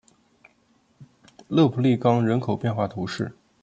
勒普利冈人口变化图示